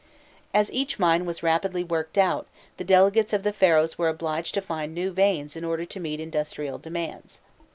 As each mine was rapidly worked out, the delegates of the Pharaohs were obliged to find new veins in order to meet industrial demands.